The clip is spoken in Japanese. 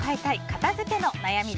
片付けの悩み。